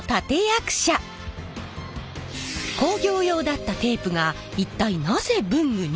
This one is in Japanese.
工業用だったテープが一体なぜ文具に？